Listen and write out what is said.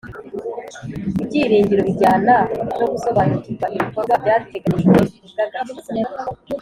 Ibyiringiro bijyana no gusobanukirwa ibikorwa byateganijwe ku bw’ agakiza